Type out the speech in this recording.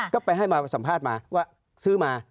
ก็ไปให้มาสัมภาษณ์มาว่าซื้อมา